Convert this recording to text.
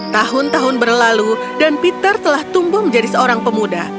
tahun tahun berlalu dan peter telah tumbuh menjadi seorang pemuda